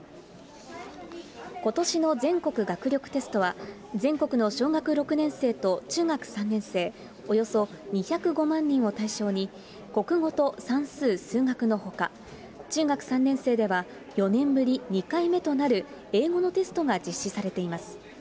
ことしの全国学力テストは、全国の小学６年生と中学３年生、およそ２０５万人を対象に、国語と算数・数学のほか、中学３年生では４年ぶり２回目となる英語のテストが実施されています。